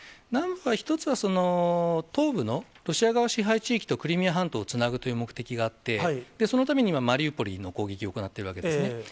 南部は、１つは東部のロシア側支配地域とクリミア半島をつなぐという目的があって、そのためにはマリウポリの攻撃を行っているわけですね。